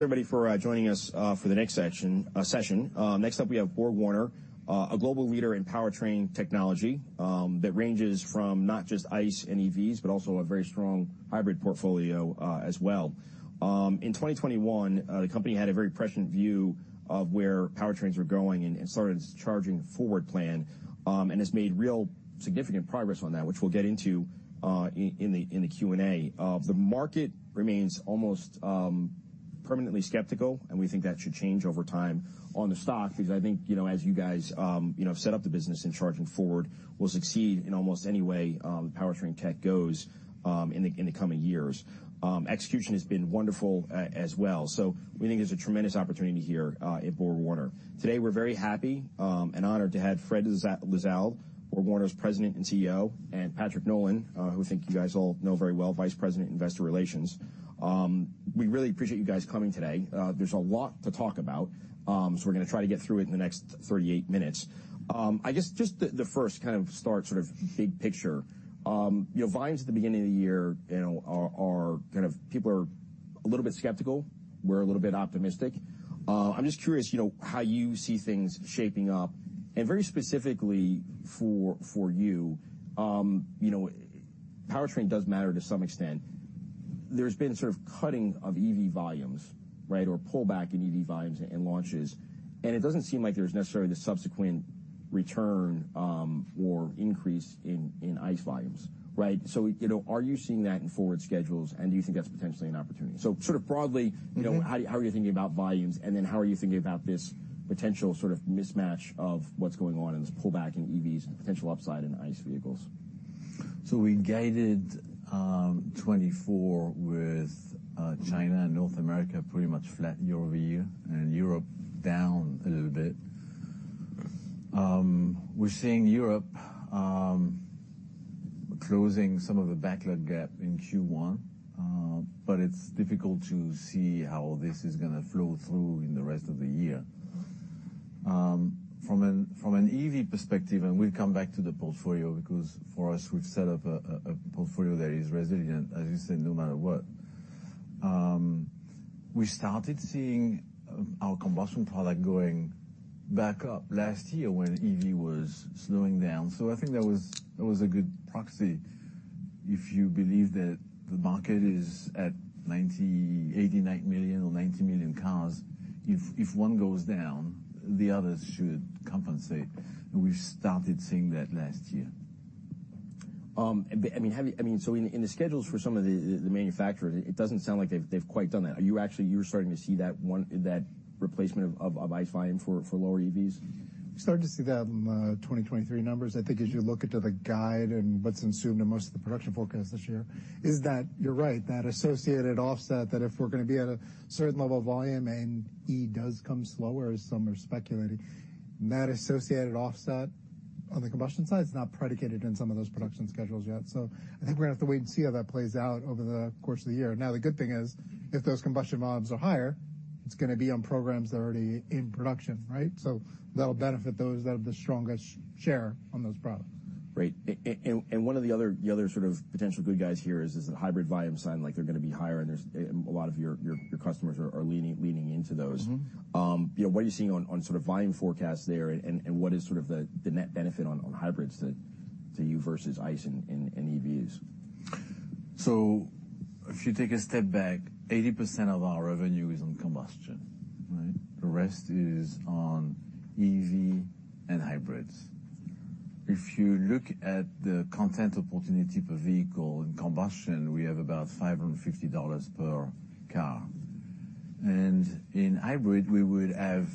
Thank you so much for joining us for the next section, session. Next up we have BorgWarner, a global leader in powertrain technology, that ranges from not just ICE and EVs but also a very strong hybrid portfolio, as well. In 2021, the company had a very prescient view of where powertrains were going and started its Charging Forward plan, and has made real significant progress on that, which we'll get into in the Q&A. The market remains almost permanently skeptical, and we think that should change over time on the stock because I think, you know, as you guys, you know, set up the business in Charging Forward, we'll succeed in almost any way powertrain tech goes in the coming years. Execution has been wonderful, as well, so we think there's a tremendous opportunity here at BorgWarner. Today we're very happy and honored to have Fréd Lissalde, BorgWarner's President and CEO, and Patrick Nolan, who I think you guys all know very well, Vice President of Investor Relations. We really appreciate you guys coming today. There's a lot to talk about, so we're gonna try to get through it in the next 38 minutes. I guess just the first kind of start, sort of big picture. You know, vibes at the beginning of the year, you know, kind of people are a little bit skeptical. We're a little bit optimistic. I'm just curious, you know, how you see things shaping up. And very specifically for you, you know, powertrain does matter to some extent. There's been sort of cutting of EV volumes, right, or pullback in EV volumes and launches, and it doesn't seem like there's necessarily the subsequent return, or increase in ICE volumes, right? So, you know, are you seeing that in forward schedules, and do you think that's potentially an opportunity? So sort of broadly, you know, how are you thinking about volumes, and then how are you thinking about this potential sort of mismatch of what's going on in this pullback in EVs and potential upside in ICE vehicles? So we guided 2024 with China and North America pretty much flat year-over-year, and Europe down a little bit. We're seeing Europe closing some of the backlog gap in Q1, but it's difficult to see how this is gonna flow through in the rest of the year. From an EV perspective, and we'll come back to the portfolio because for us, we've set up a portfolio that is resilient, as you said, no matter what. We started seeing our combustion product going back up last year when EV was slowing down, so I think that was a good proxy. If you believe that the market is at 89 million or 90 million cars, if one goes down, the others should compensate, and we've started seeing that last year. I mean, have you? I mean, so in the schedules for some of the manufacturers, it doesn't sound like they've quite done that. Are you actually starting to see that one that replacement of ICE volume for lower EVs? We started to see that in the 2023 numbers. I think, as you look at the guide and what's ensued in most of the production forecast this year, is that you're right, that associated offset that if we're gonna be at a certain level of volume and E does come slower, as some are speculating, that associated offset on the combustion side's not predicated in some of those production schedules yet. So I think we're gonna have to wait and see how that plays out over the course of the year. Now, the good thing is, if those combustion volumes are higher, it's gonna be on programs that are already in production, right? So that'll benefit those that have the strongest share on those products. Great. And one of the other sort of potential good guys here is the hybrid volume sign, like they're gonna be higher, and there's a lot of your customers are leaning into those. Mm-hmm. You know, what are you seeing on sort of volume forecasts there, and what is sort of the net benefit on hybrids to you versus ICE and EVs? So if you take a step back, 80% of our revenue is on combustion, right? The rest is on EV and hybrids. If you look at the content opportunity per vehicle in combustion, we have about $550 per car. And in hybrid, we would have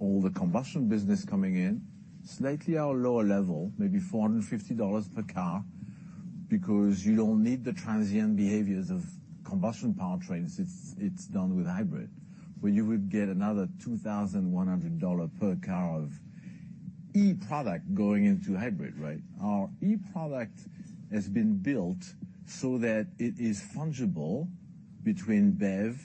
all the combustion business coming in, slightly at a lower level, maybe $450 per car, because you don't need the transient behaviors of combustion powertrains. It's, it's done with hybrid. But you would get another $2,100 per car of E product going into hybrid, right? Our E product has been built so that it is fungible between BEV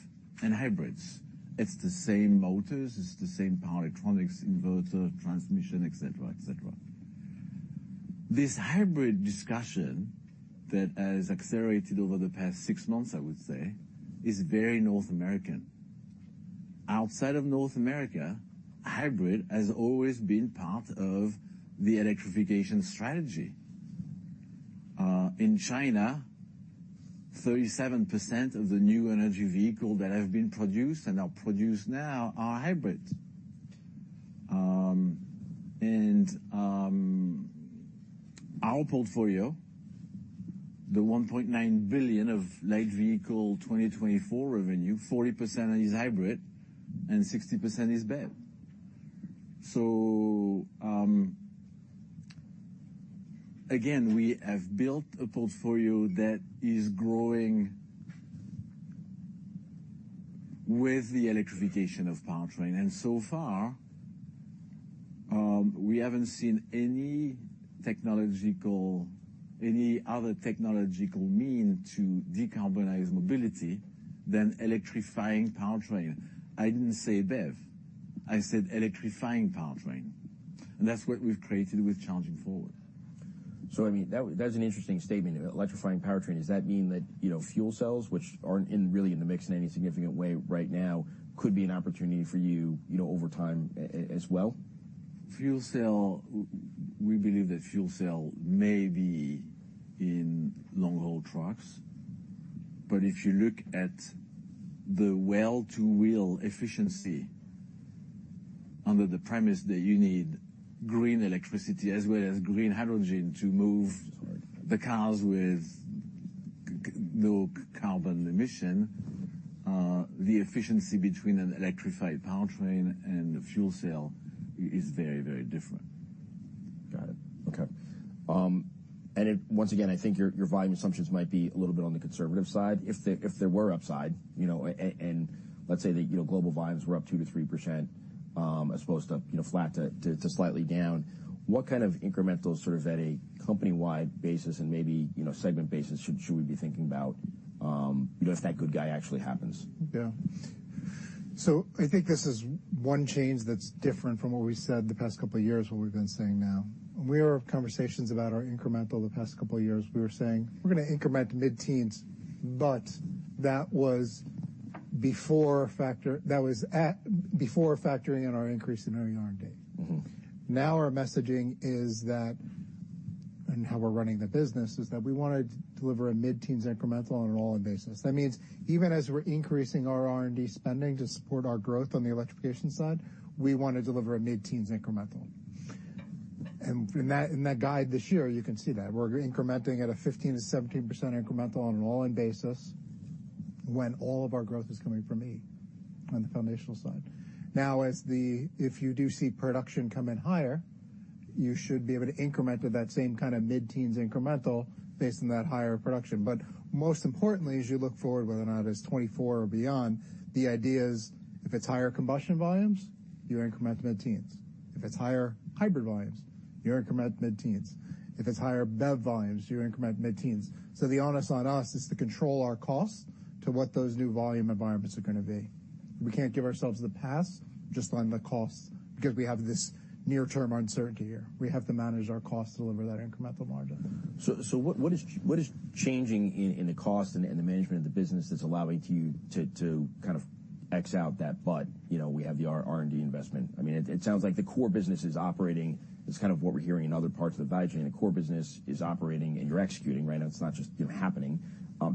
and hybrids. It's the same motors. It's the same power electronics, inverter, transmission, etc., etc. This hybrid discussion that has accelerated over the past six months, I would say, is very North American. Outside of North America, hybrid has always been part of the electrification strategy. In China, 37% of the new energy vehicle that have been produced and are produced now are hybrids. Our portfolio, the $1.9 billion of light vehicle 2024 revenue, 40% is hybrid and 60% is BEV. So, again, we have built a portfolio that is growing with the electrification of powertrain. And so far, we haven't seen any technological any other technological means to decarbonize mobility than electrifying powertrain. I didn't say BEV. I said electrifying powertrain. And that's what we've created with Charging Forward. So I mean, that's an interesting statement, electrifying powertrain. Does that mean that, you know, fuel cells, which aren't really in the mix in any significant way right now, could be an opportunity for you, you know, over time as well? Fuel cell, we believe that fuel cell may be in long-haul trucks. But if you look at the well-to-wheel efficiency under the premise that you need green electricity as well as green hydrogen to move the cars with no carbon emission, the efficiency between an electrified powertrain and a fuel cell is very, very different. Got it. Okay. And once again, I think your volume assumptions might be a little bit on the conservative side. If there were upside, you know, and let's say that, you know, global volumes were up 2%-3%, as opposed to, you know, flat to slightly down, what kind of incrementals sort of at a company-wide basis and maybe, you know, segment basis should we be thinking about, you know, if that good guy actually happens? Yeah. So I think this is one change that's different from what we've said the past couple of years, what we've been saying now. When we were having conversations about our incremental the past couple of years, we were saying, "We're gonna increment mid-teens," but that was before factoring in our increase in our run rate. Mm-hmm. Now our messaging is that and how we're running the business is that we wanna deliver a mid-teens incremental on an all-in basis. That means even as we're increasing our R&D spending to support our growth on the electrification side, we wanna deliver a mid-teens incremental. And that in that guide this year, you can see that. We're incrementing at a 15%-17% incremental on an all-in basis when all of our growth is coming from E on the foundational side. Now, as if you do see production come in higher, you should be able to increment at that same kind of mid-teens incremental based on that higher production. But most importantly, as you look forward, whether or not it's 2024 or beyond, the idea is if it's higher combustion volumes, you increment mid-teens. If it's higher hybrid volumes, you increment mid-teens. If it's higher BEV volumes, you increment mid-teens. So the onus on us is to control our costs to what those new volume environments are gonna be. We can't give ourselves the pass just on the costs because we have this near-term uncertainty here. We have to manage our costs to deliver that incremental margin. So, what is changing in the cost and the management of the business that's allowing you to kind of X out that, but you know we have the R&D investment? I mean, it sounds like the core business is operating. That's kind of what we're hearing in other parts of the value chain. The core business is operating and you're executing right now. It's not just, you know, happening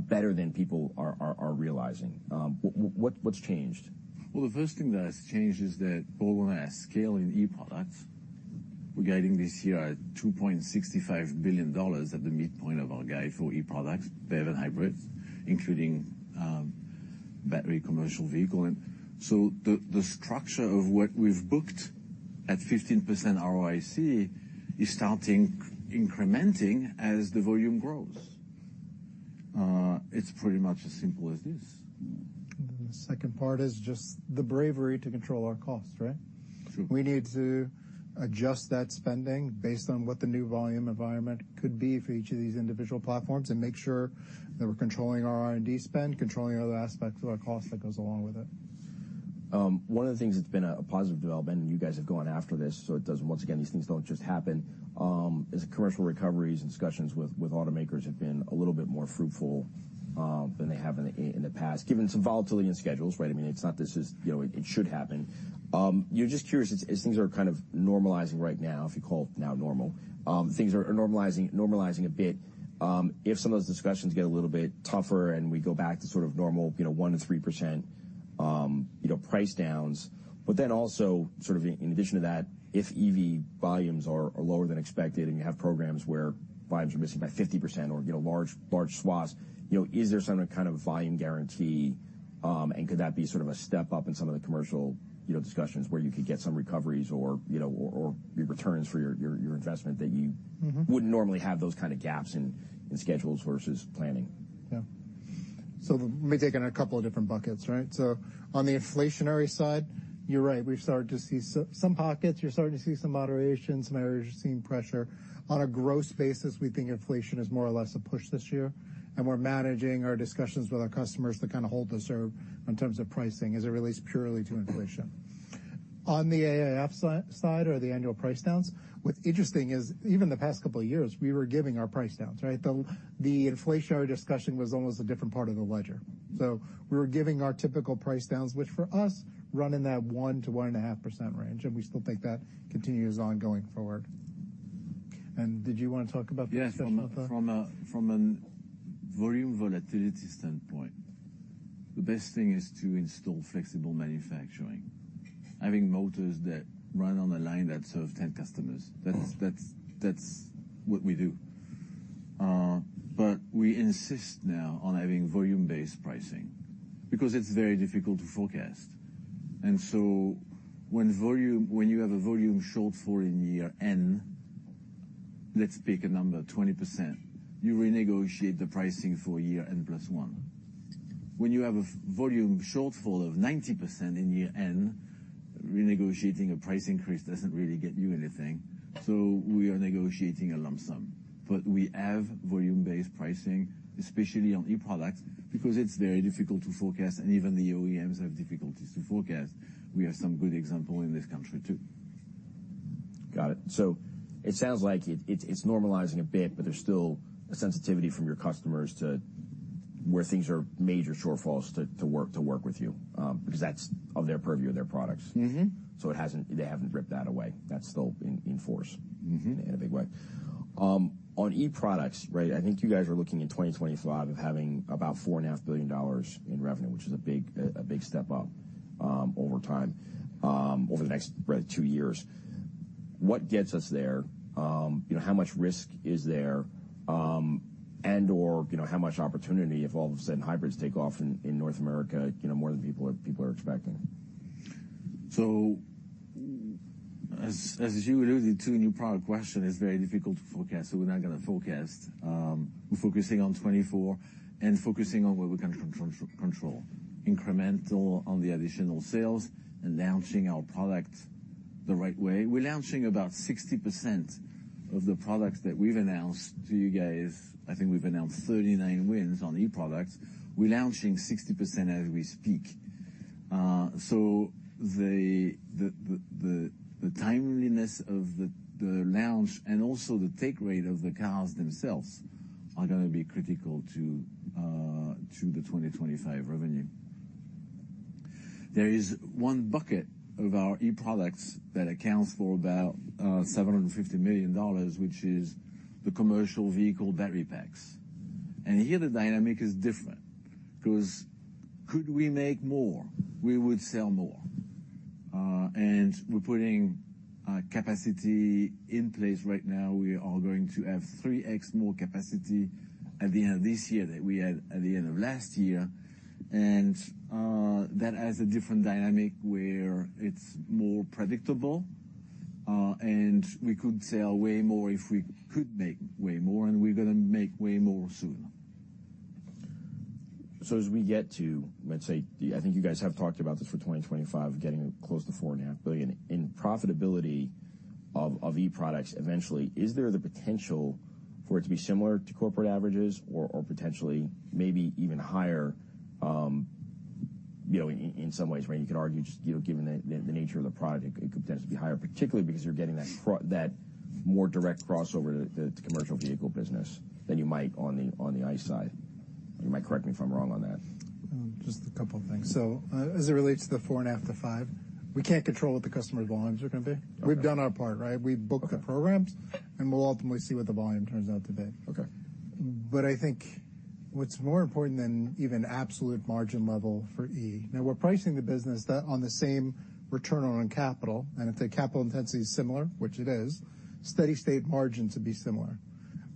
better than people are realizing. What, what's changed? Well, the first thing that has changed is that BorgWarner has scaling E products. We're gating this year at $2.65 billion at the midpoint of our guide for E products, BEV and hybrids, including battery commercial vehicle. So the structure of what we've booked at 15% ROIC is starting incrementing as the volume grows. It's pretty much as simple as this. And then the second part is just the bravery to control our costs, right? True. We need to adjust that spending based on what the new volume environment could be for each of these individual platforms and make sure that we're controlling our R&D spend, controlling other aspects of our costs that goes along with it. One of the things that's been a positive development, and you guys have gone after this, so it doesn't once again, these things don't just happen, is commercial recoveries and discussions with automakers have been a little bit more fruitful than they have in the past, given some volatility in schedules, right? I mean, it's not, you know, it should happen. You're just curious. Things are kind of normalizing right now, if you call it so normal. Things are normalizing a bit. if some of those discussions get a little bit tougher and we go back to sort of normal, you know, 1%-3%, you know, price downs, but then also sort of in addition to that, if EV volumes are lower than expected and you have programs where volumes are missing by 50% or, you know, large, large swaths, you know, is there some kind of volume guarantee, and could that be sort of a step up in some of the commercial, you know, discussions where you could get some recoveries or, you know, or, or returns for your, your, your investment that you? Mm-hmm. Wouldn't normally have those kind of gaps in schedules versus planning? Yeah. So let me take it in a couple of different buckets, right? So on the inflationary side, you're right. We've started to see some pockets. You're starting to see some moderation. Some areas are seeing pressure. On a gross basis, we think inflation is more or less a push this year, and we're managing our discussions with our customers to kind of hold us, in terms of pricing. Is it really purely to inflation? On the aftermarket side or the annual price downs, what's interesting is even the past couple of years, we were giving our price downs, right? The inflationary discussion was almost a different part of the ledger. So we were giving our typical price downs, which for us run in that 1%-1.5% range, and we still think that continues going forward. Did you wanna talk about this? Yes. From a volume volatility standpoint, the best thing is to install flexible manufacturing, having motors that run on a line that serve 10 customers. That's what we do. We insist now on having volume-based pricing because it's very difficult to forecast. And so when you have a volume shortfall in year N, let's pick a number, 20%, you renegotiate the pricing for year N + 1. When you have a volume shortfall of 90% in year N, renegotiating a price increase doesn't really get you anything. So we are negotiating a lump sum. But we have volume-based pricing, especially on E products, because it's very difficult to forecast, and even the OEMs have difficulties to forecast. We have some good example in this country too. Got it. So it sounds like it's normalizing a bit, but there's still a sensitivity from your customers to where things are major shortfalls to work with you, because that's of their purview of their products. Mm-hmm. So they haven't ripped that away. That's still in force. Mm-hmm. In a big way. On E products, right, I think you guys are looking in 2025 of having about $4.5 billion in revenue, which is a big step up, over time, over the next two years. What gets us there? You know, how much risk is there, and/or, you know, how much opportunity if all of a sudden hybrids take off in North America, you know, more than people are expecting? So, as you alluded, the two new product question is very difficult to forecast, so we're not gonna forecast. We're focusing on 2024 and focusing on what we can control, incremental on the additional sales and launching our product the right way. We're launching about 60% of the products that we've announced to you guys. I think we've announced 39 wins on E products. We're launching 60% as we speak. So the timeliness of the launch and also the take rate of the cars themselves are gonna be critical to the 2025 revenue. There is one bucket of our E products that accounts for about $750 million, which is the commercial vehicle battery packs. And here, the dynamic is different because could we make more, we would sell more, and we're putting capacity in place right now. We are going to have 3x more capacity at the end of this year that we had at the end of last year. That has a different dynamic where it's more predictable, and we could sell way more if we could make way more, and we're gonna make way more soon. So as we get to, let's say, the I think you guys have talked about this for 2025, getting close to $4.5 billion. In profitability of E products eventually, is there the potential for it to be similar to corporate averages or potentially maybe even higher, you know, in some ways, right? You could argue just, you know, given the nature of the product, it could potentially be higher, particularly because you're getting that more direct crossover to commercial vehicle business than you might on the I side. You might correct me if I'm wrong on that. Just a couple of things. So, as it relates to the 4.5-5, we can't control what the customer's volumes are gonna be. Okay. We've done our part, right? We've booked. Okay. The programs, and we'll ultimately see what the volume turns out to be. Okay. But I think what's more important than even absolute margin level for E now is that we're pricing the business on the same return on capital, and if the capital intensity is similar, which it is, steady state margin to be similar.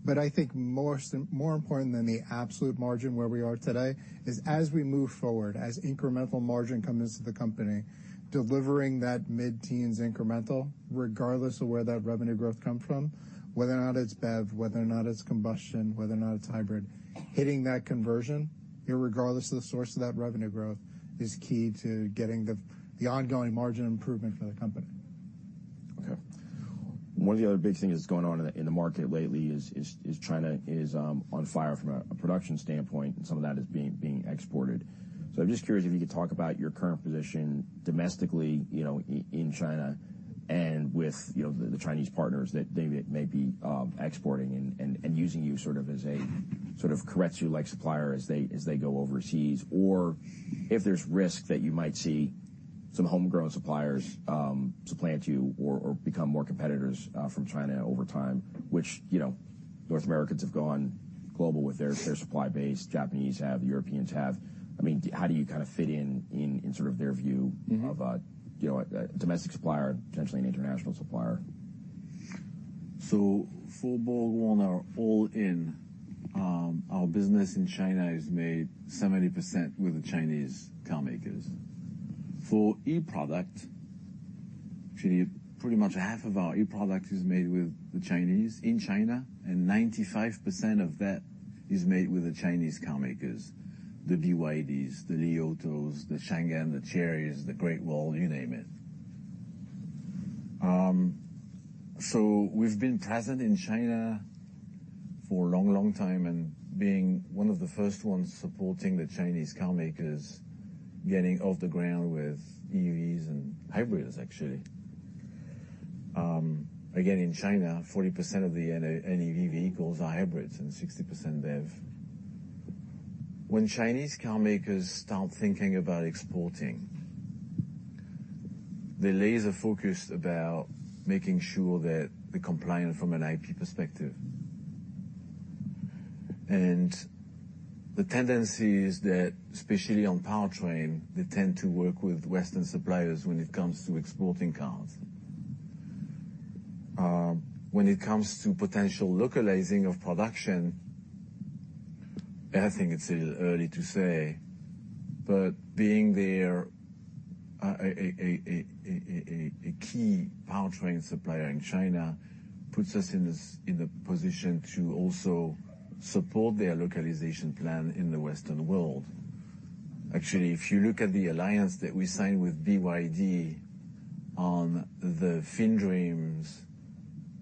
But I think more is more important than the absolute margin where we are today is as we move forward, as incremental margin comes into the company, delivering that mid-teens incremental regardless of where that revenue growth comes from, whether or not it's BEV, whether or not it's combustion, whether or not it's hybrid, hitting that conversion, irregardless of the source of that revenue growth, is key to getting the ongoing margin improvement for the company. Okay. One of the other big things that's going on in the market lately is China is on fire from a production standpoint, and some of that is being exported. So I'm just curious if you could talk about your current position domestically, you know, in China and with, you know, the Chinese partners that they may be exporting and using you sort of as a sort of local supplier as they go overseas, or if there's risk that you might see some homegrown suppliers supplant you or become more competitors from China over time, which, you know, North Americans have gone global with their supply base. Japanese have. The Europeans have. I mean, how do you kind of fit in sort of their view. Mm-hmm. Of a, you know, domestic supplier and potentially an international supplier? So for BorgWarner, all in, our business in China is made 70% with the Chinese carmakers. For E product, actually, pretty much 50% of our E product is made with the Chinese in China, and 95% of that is made with the Chinese carmakers, the BYDs, the NIOs, the Changan, the Cherys, the Great Wall, you name it. So we've been present in China for a long, long time and being one of the first ones supporting the Chinese carmakers, getting off the ground with EVs and hybrids, actually. Again, in China, 40% of the NEV vehicles are hybrids and 60% BEV. When Chinese carmakers start thinking about exporting, they lay the focus about making sure that they're compliant from an IP perspective. And the tendency is that, especially on powertrain, they tend to work with Western suppliers when it comes to exporting cars. When it comes to potential localizing of production, I think it's a little early to say, but being their key powertrain supplier in China puts us in this position to also support their localization plan in the Western world. Actually, if you look at the alliance that we signed with BYD on the FinDreams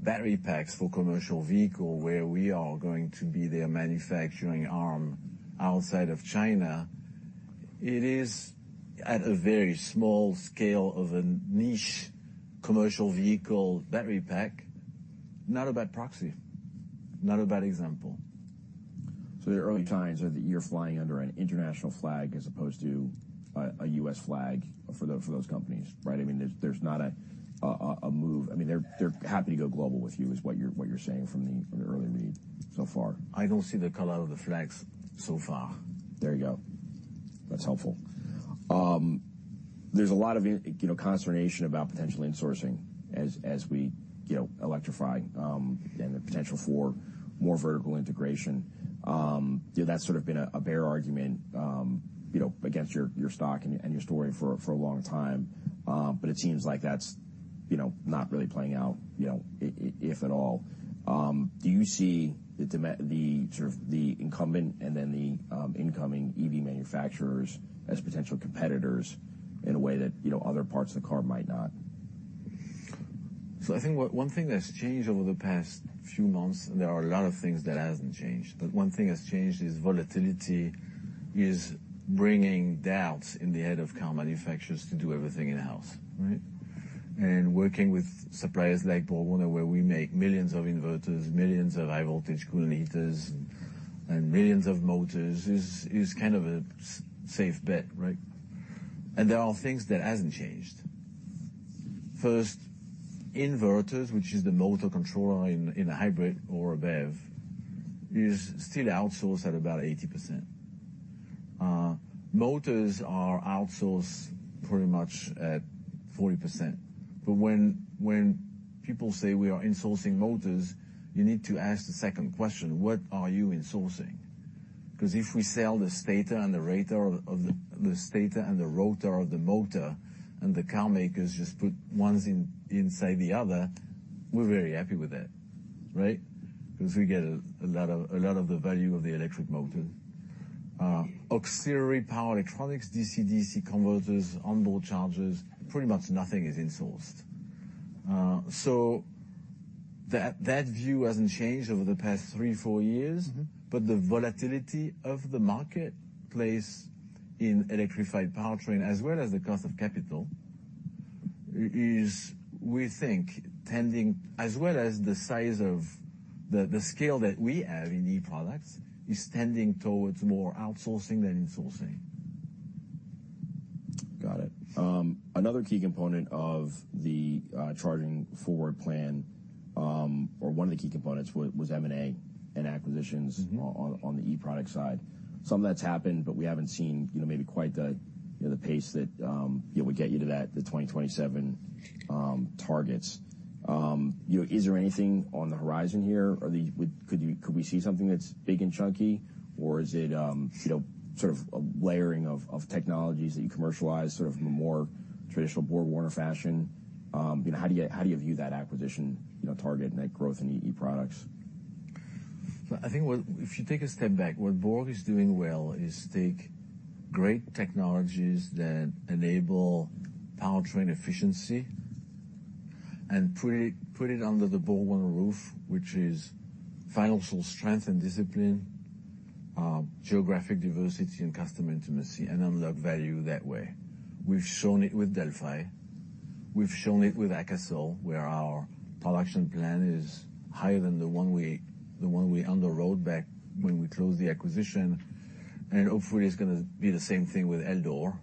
battery packs for commercial vehicle where we are going to be their manufacturing arm outside of China, it is at a very small scale of a niche commercial vehicle battery pack, not a bad proxy, not a bad example. So your early signs are that you're flying under an international flag as opposed to a U.S. flag for those companies, right? I mean, there's not a move. I mean, they're happy to go global with you is what you're saying from the early read so far. I don't see the color of the flags so far. There you go. That's helpful. There's a lot of, you know, consternation about potentially insourcing as we, you know, electrify, and the potential for more vertical integration. You know, that's sort of been a bear argument against your stock and your story for a long time. But it seems like that's, you know, not really playing out, you know, if at all. Do you see the, the sort of the incumbent and then the incoming EV manufacturers as potential competitors in a way that, you know, other parts of the car might not? So I think one thing that's changed over the past few months, and there are a lot of things that haven't changed, but one thing that's changed is volatility is bringing doubts in the head of car manufacturers to do everything in-house, right? And working with suppliers like BorgWarner, where we make millions of inverters, millions of high-voltage coolant heaters, and millions of motors, is kind of a safe bet, right? And there are things that haven't changed. First, inverters, which is the motor controller in a hybrid or a BEV, is still outsourced at about 80%. Motors are outsourced pretty much at 40%. But when people say we are insourcing motors, you need to ask the second question, "What are you insourcing?" Because if we sell the stator and the rotor of the motor and the carmakers just put one inside the other, we're very happy with that, right? Because we get a lot of the value of the electric motor. Auxiliary power electronics, DC/DC converters, onboard chargers, pretty much nothing is insourced. So that view hasn't changed over the past three-four years. Mm-hmm. But the volatility of the marketplace in electrified powertrain, as well as the cost of capital, is, we think, tending as well as the size of the scale that we have in E products is tending towards more outsourcing than insourcing. Got it. Another key component of the Charging Forward plan, or one of the key components, was M&A and acquisitions. Mm-hmm. On the E product side. Some of that's happened, but we haven't seen, you know, maybe quite the pace that, you know, would get you to that, the 2027 targets. You know, is there anything on the horizon here? Could we see something that's big and chunky, or is it, you know, sort of a layering of technologies that you commercialize sort of in a more traditional BorgWarner fashion? You know, how do you view that acquisition target and that growth in E products? So I think what if you take a step back, what Borg is doing well is take great technologies that enable powertrain efficiency and put it put it under the BorgWarner roof, which is financial strength and discipline, geographic diversity, and customer intimacy, and unlock value that way. We've shown it with Delphi. We've shown it with AKASOL, where our production plan is higher than the one we the one we underwrote back when we closed the acquisition. And hopefully, it's gonna be the same thing with Eldor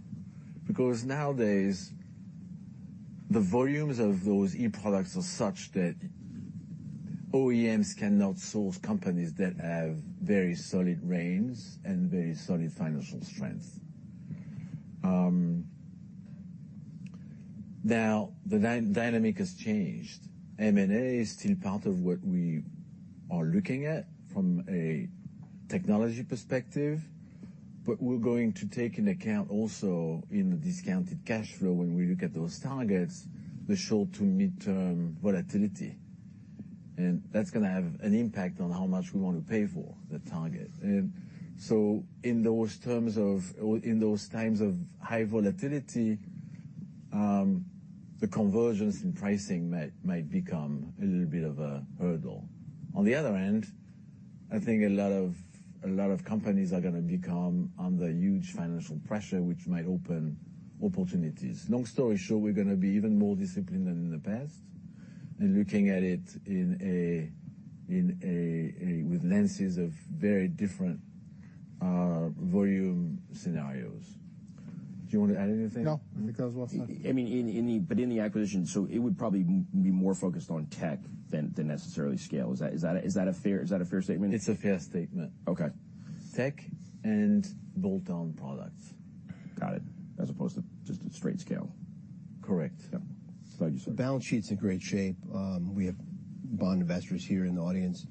because nowadays, the volumes of those E products are such that OEMs cannot source companies that have very solid reins and very solid financial strength. Now, the dynamic has changed. M&A is still part of what we are looking at from a technology perspective, but we're going to take into account also, in the discounted cash flow when we look at those targets, the short-to-mid-term volatility. That's gonna have an impact on how much we wanna pay for that target. So in those times of high volatility, the convergence in pricing might become a little bit of a hurdle. On the other end, I think a lot of companies are gonna become under huge financial pressure, which might open opportunities. Long story short, we're gonna be even more disciplined than in the past and looking at it in a with lenses of very different volume scenarios. Do you wanna add anything? No. I think that was well said. I mean, in the acquisition, so it would probably be more focused on tech than necessarily scale. Is that a fair statement? It's a fair statement. Okay. Tech and bolt-on products. Got it. As opposed to just a straight scale. Correct. Yeah. I'm glad you said that. The balance sheet's in great shape. We have bond investors here in the audience.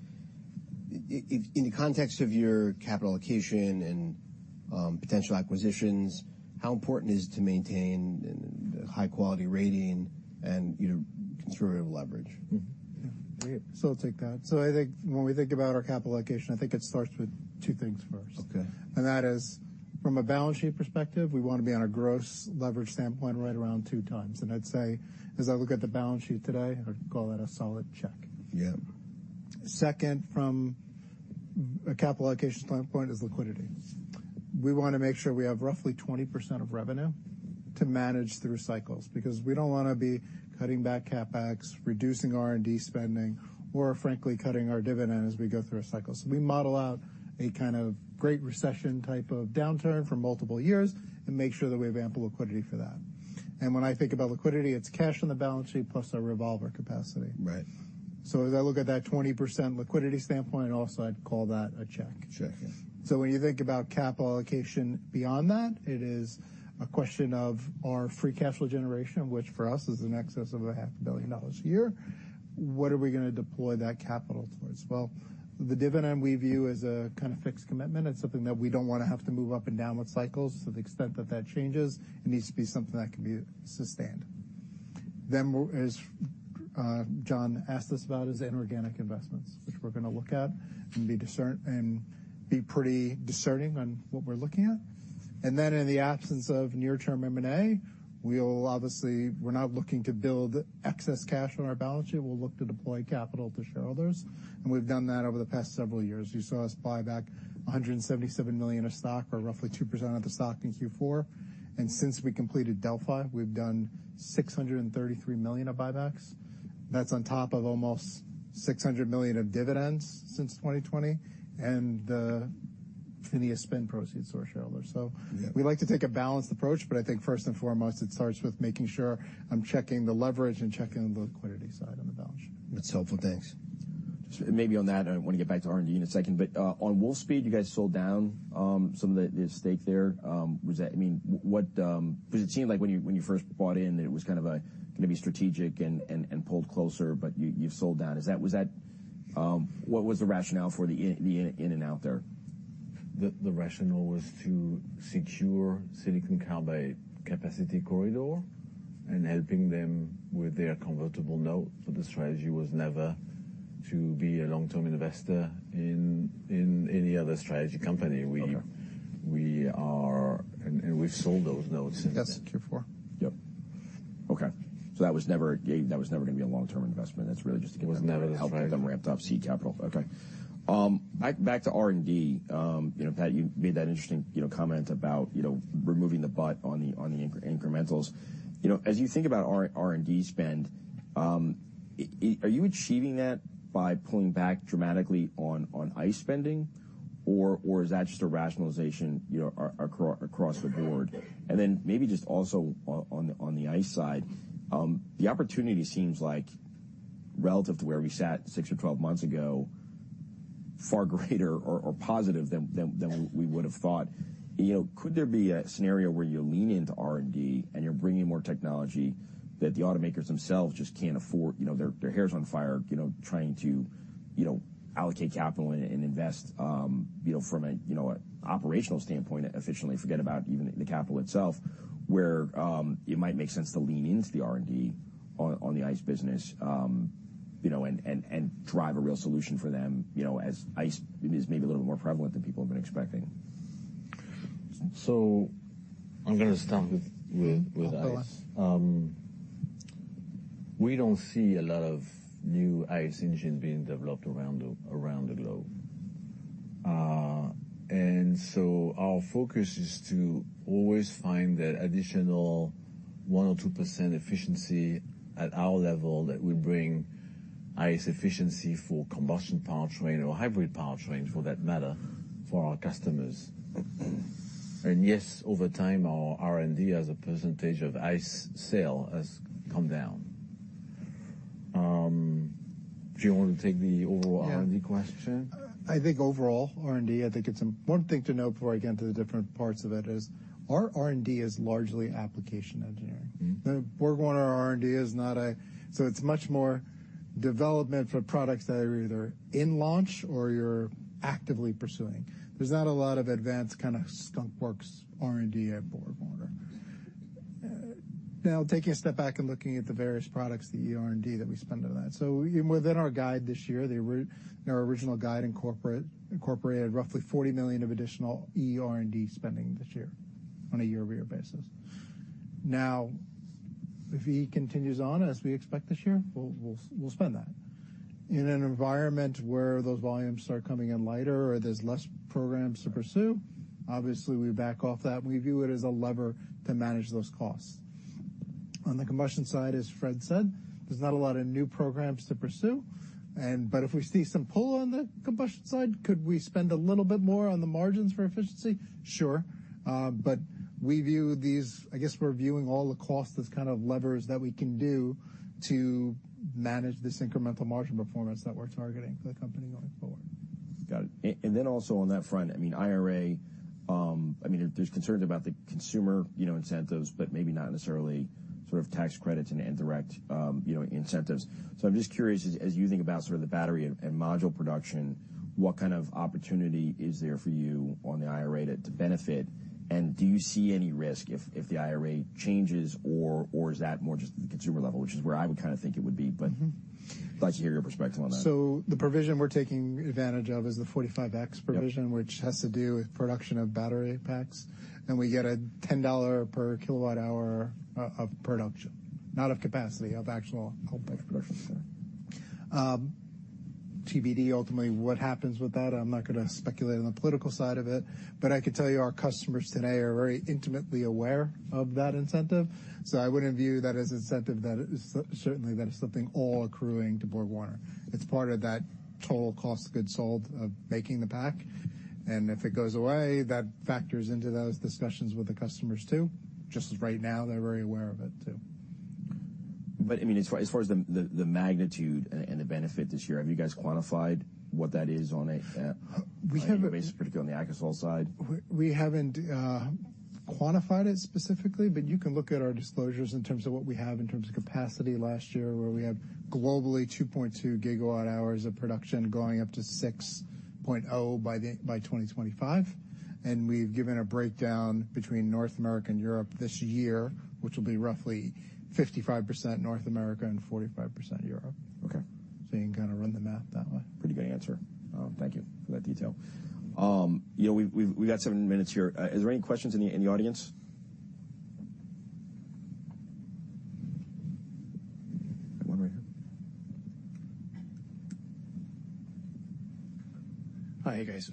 If in the context of your capital allocation and potential acquisitions, how important is it to maintain the high-quality rating and, you know, conservative leverage? Mm-hmm. Yeah. So take that. So I think when we think about our capital allocation, I think it starts with two things first. Okay. That is, from a balance sheet perspective, we wanna be on a gross leverage standpoint right around 2x. I'd say, as I look at the balance sheet today, I'd call that a solid check. Yeah. Second, from a capital allocation standpoint, is liquidity. We wanna make sure we have roughly 20% of revenue to manage through cycles because we don't wanna be cutting back CapEx, reducing R&D spending, or frankly, cutting our dividend as we go through a cycle. So we model out a kind of great recession type of downturn for multiple years and make sure that we have ample liquidity for that. And when I think about liquidity, it's cash on the balance sheet plus our revolver capacity. Right. As I look at that 20% liquidity standpoint, also, I'd call that a check. Check, yeah. So when you think about capital allocation beyond that, it is a question of our free cash flow generation, which for us is an excess of $500 million a year. What are we gonna deploy that capital towards? Well, the dividend we view as a kind of fixed commitment. It's something that we don't wanna have to move up and down with cycles. To the extent that that changes, it needs to be something that can be sustained. Then, as John asked us about, inorganic investments, which we're gonna look at and be discerning and be pretty discerning on what we're looking at. And then in the absence of near-term M&A, we'll obviously not looking to build excess cash on our balance sheet. We'll look to deploy capital to shareholders. And we've done that over the past several years. You saw us buy back $177 million of stock or roughly 2% of the stock in Q4. Since we completed Delphi, we've done $633 million of buybacks. That's on top of almost $600 million of dividends since 2020 and the spend proceeds for shareholders. So. Yeah. We like to take a balanced approach, but I think first and foremost, it starts with making sure I'm checking the leverage and checking the liquidity side on the balance sheet. That's helpful. Thanks. Just maybe on that, I wanna get back to R&D in a second. But, on Wolfspeed, you guys sold down some of the stake there. Was that? I mean, what, because it seemed like when you first bought in, that it was kind of gonna be strategic and pulled closer, but you've sold down. What was the rationale for the in-and-out there? The rationale was to secure silicon carbide capacity corridor and helping them with their convertible note. But the strategy was never to be a long-term investor in any other strategy company. We. Okay. We are, and we've sold those notes in. That's Q4. Yep. Okay. So that was never gonna be a long-term investment. That's really just to get them helped. Was never the strategy. Get them ramped up, see capital. Okay. Back to R&D. You know, Pat, you made that interesting, you know, comment about, you know, removing the but on the incrementals. You know, as you think about R&D spend, are you achieving that by pulling back dramatically on ICE spending, or is that just a rationalization, you know, across the board? And then maybe just also on the ICE side, the opportunity seems like, relative to where we sat six or 12 months ago, far greater or positive than we would have thought. You know, could there be a scenario where you're leaning into R&D and you're bringing more technology that the automakers themselves just can't afford? You know, their hair's on fire, you know, trying to, you know, allocate capital and invest, you know, from a, you know, an operational standpoint, efficiently forget about even the capital itself, where it might make sense to lean into the R&D on the ICE business, you know, and drive a real solution for them, you know, as ICE is maybe a little bit more prevalent than people have been expecting? So I'm gonna start with ICE. Okay. We don't see a lot of new ICE engines being developed around the globe. So our focus is to always find that additional 1% or 2% efficiency at our level that will bring ICE efficiency for combustion powertrain or hybrid powertrains, for that matter, for our customers. Yes, over time, our R&D as a percentage of ICE sale has come down. Do you wanna take the overall R&D question? Yeah. I think overall R&D, I think it's important thing to know before I get into the different parts of it is our R&D is largely Application Engineering. Mm-hmm. The BorgWarner R&D is not, so it's much more development for products that are either in launch or you're actively pursuing. There's not a lot of advanced kind of skunkworks R&D at BorgWarner. Now, taking a step back and looking at the various products that you R&D that we spend on that. So within our guide this year, there in our original guide incorporated roughly $40 million of additional E R&D spending this year on a year-over-year basis. Now, if E continues on as we expect this year, we'll spend that. In an environment where those volumes start coming in lighter or there's less programs to pursue, obviously, we back off that. We view it as a lever to manage those costs. On the combustion side, as Fréd said, there's not a lot of new programs to pursue. But if we see some pull on the combustion side, could we spend a little bit more on the margins for efficiency? Sure. We view these. I guess we're viewing all the costs as kind of levers that we can do to manage this incremental margin performance that we're targeting for the company going forward. Got it. And then also on that front, I mean, IRA, I mean, there's concerns about the consumer, you know, incentives, but maybe not necessarily sort of tax credits and, and direct, you know, incentives. So I'm just curious, as you think about sort of the battery and module production, what kind of opportunity is there for you on the IRA to benefit? And do you see any risk if the IRA changes, or is that more just at the consumer level, which is where I would kinda think it would be? But. Mm-hmm. I'd like to hear your perspective on that. The provision we're taking advantage of is the 45X provision. Mm-hmm. Which has to do with production of battery packs. We get $10 per kWh of production, not of capacity, of actual output. Of production. TBD, ultimately, what happens with that. I'm not gonna speculate on the political side of it. But I could tell you our customers today are very intimately aware of that incentive. So I wouldn't view that as an incentive that is certainly something all accruing to BorgWarner. It's part of that total cost of goods sold of making the pack. And if it goes away, that factors into those discussions with the customers too. Just as right now, they're very aware of it too. But I mean, as far as the magnitude and the benefit this year, have you guys quantified what that is on a basis particularly on the AKASOL side? We haven't quantified it specifically, but you can look at our disclosures in terms of what we have in terms of capacity last year, where we have globally 2.2 GWh of production going up to 6.0 GWh by 2025. We've given a breakdown between North America and Europe this year, which will be roughly 55% North America and 45% Europe. Okay. You can kinda run the math that way. Pretty good answer. Thank you for that detail. You know, we've got seven minutes here. Is there any questions in the audience? I have one right here. Hi. Hey, guys.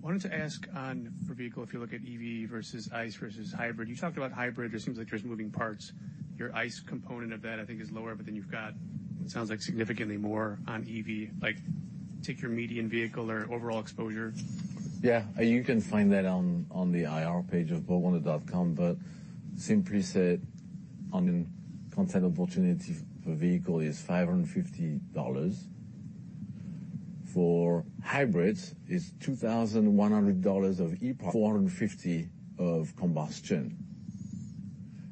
Wanted to ask on Ford vehicle, if you look at EV versus ICE versus hybrid. You talked about hybrid. It seems like there's moving parts. Your ICE component of that, I think, is lower, but then you've got, it sounds like, significantly more on EV. Like, take your median vehicle or overall exposure. Yeah. You can find that on, on the IR page of borgwarner.com. But simply said, on. In content opportunity for vehicle is $550. For hybrids, it's $2,100 of E. $450 of combustion.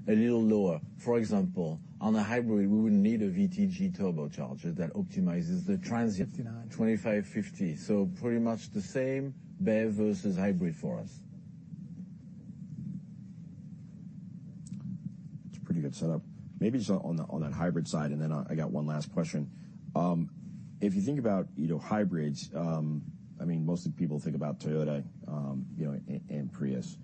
A little lower. For example, on a hybrid, we would need a VTG turbocharger that optimizes the. 259. So pretty much the same BEV versus hybrid for us. That's a pretty good setup. Maybe so on the on that hybrid side. And then I got one last question. If you think about, you know, hybrids, I mean, mostly people think about Toyota, you know, and, and Prius.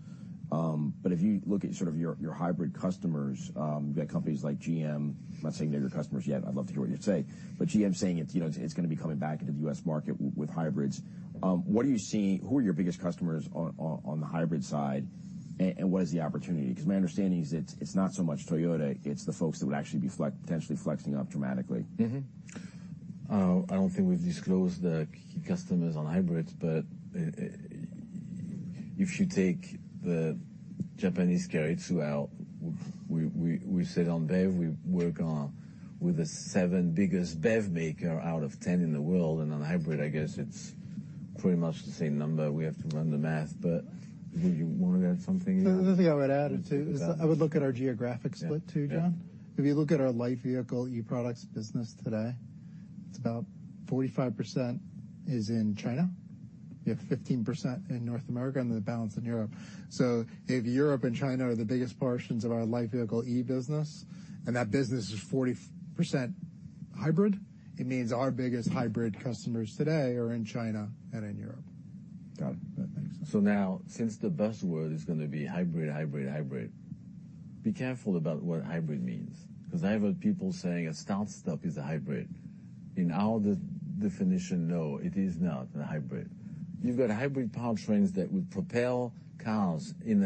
But if you look at sort of your, your hybrid customers, you've got companies like GM. I'm not saying they're your customers yet. I'd love to hear what you'd say. But GM saying it's, you know, it's, it's gonna be coming back into the U.S. market with hybrids. What are you seeing who are your biggest customers on, on, on the hybrid side, and, and what is the opportunity? 'Cause my understanding is it's, it's not so much Toyota. It's the folks that would actually be fleet potentially flexing up dramatically. Mm-hmm. I don't think we've disclosed the key customers on hybrids. But if you take the keiretsu out, we sit on BEV. We work on with the seven biggest BEV maker out of 10 in the world. And on hybrid, I guess it's pretty much the same number. We have to run the math. But would you wanna add something here? The thing I would add it to is I would look at our geographic split too, John. If you look at our light vehicle e-products business today, it's about 45% in China. We have 15% in North America and then the balance in Europe. So if Europe and China are the biggest portions of our light vehicle e-business and that business is 40% hybrid, it means our biggest hybrid customers today are in China and in Europe. Got it. That makes sense. So now, since the buzzword is gonna be hybrid, hybrid, hybrid, be careful about what hybrid means. 'Cause I've heard people saying a start-stop is a hybrid. In our definition, no, it is not a hybrid. You've got hybrid powertrains that would propel cars in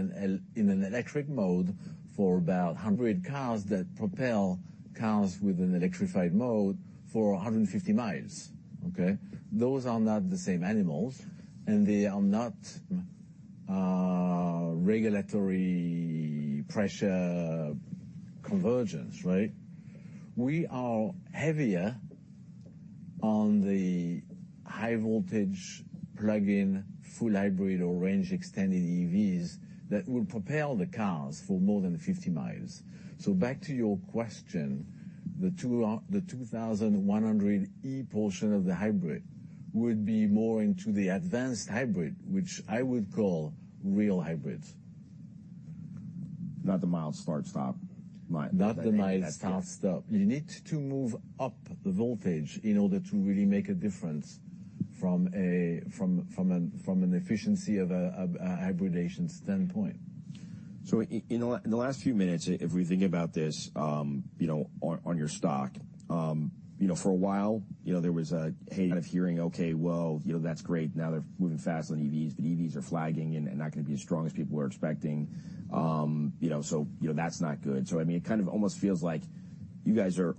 an electric mode for about. Hybrid cars that propel cars with an electrified mode for 150 mi, okay? Those are not the same animals, and they are not regulatory pressure convergence, right? We are heavier on the high-voltage plug-in full hybrid or range-extended EVs that will propel the cars for more than 50 mi. So back to your question, the 2,100e portion of the hybrid would be more into the advanced hybrid, which I would call real hybrids. Not the mild start-stop, not that. Not the mild start-stop. You need to move up the voltage in order to really make a difference from an efficiency of a hybridization standpoint. So in the last few minutes, if we think about this, you know, on your stock, you know, for a while, you know, there was a hey kind of hearing, "Okay. Well, you know, that's great. Now they're moving faster than EVs. But EVs are flagging and not gonna be as strong as people were expecting." You know, so, you know, that's not good. So I mean, it kind of almost feels like you guys are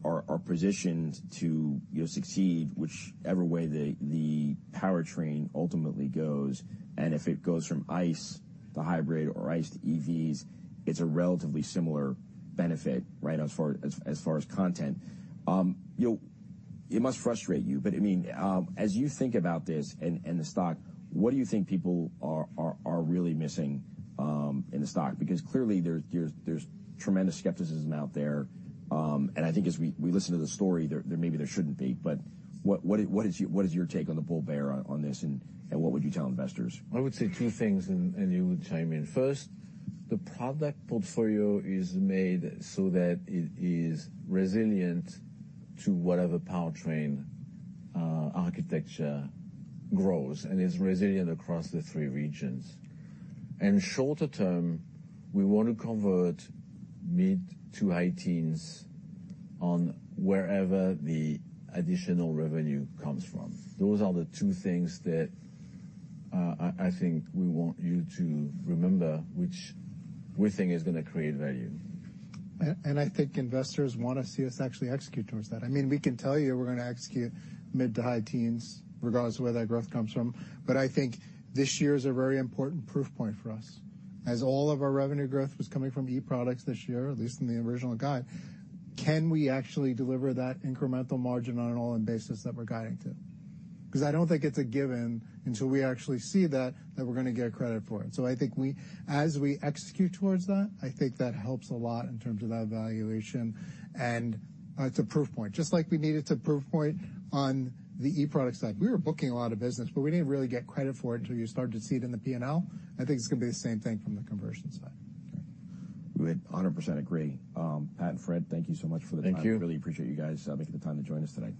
positioned to, you know, succeed, whichever way the powertrain ultimately goes. And if it goes from ICE to hybrid or ICE to EVs, it's a relatively similar benefit, right, as far as content. You know, it must frustrate you. But I mean, as you think about this and the stock, what do you think people are really missing in the stock? Because clearly, there's tremendous skepticism out there. And I think as we listen to the story, there maybe shouldn't be. But what is your take on the bull bear on this, and what would you tell investors? I would say two things, and you would chime in. First, the product portfolio is made so that it is resilient to whatever powertrain architecture grows and is resilient across the three regions. And shorter term, we wanna convert mid to high teens on wherever the additional revenue comes from. Those are the two things that I think we want you to remember, which we think is gonna create value. And I think investors wanna see us actually execute towards that. I mean, we can tell you we're gonna execute mid to high teens, regardless of where that growth comes from. But I think this year is a very important proof point for us. As all of our revenue growth was coming from e-products this year, at least in the original guide, can we actually deliver that incremental margin on an all-in basis that we're guiding to? 'Cause I don't think it's a given until we actually see that, that we're gonna get credit for it. So I think we as we execute towards that, I think that helps a lot in terms of that valuation. And, it's a proof point, just like we needed to proof point on the e-products side. We were booking a lot of business, but we didn't really get credit for it until you started to see it in the P&L. I think it's gonna be the same thing from the conversion side. Okay. We would 100% agree. Pat and Fréd, thank you so much for the time. Thank you. Really appreciate you guys, making the time to join us today.